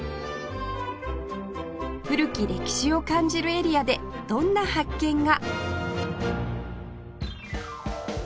古き歴史を感じるエリアでどんな発見が？